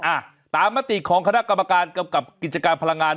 อ่ะตามมติของคณะกรรมการกำกับกิจการพลังงาน